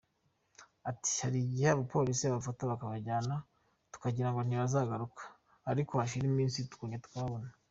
Ati “Hari igihe abapolisi babafata bakabajyana tukagirango ntibazagaruka, ariko hashira iminsi tukongera tukababona.